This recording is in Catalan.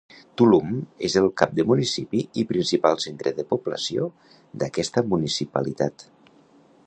Tulum és el cap de municipi i principal centre de població d'aquesta municipalitat.